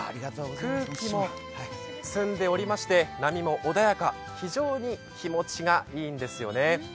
空気も澄んでおりまして、波も穏やか、非常に気持ちがいいんですよね。